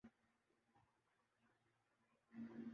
بالی would فلموں کے ناظرین کے لئے ہیں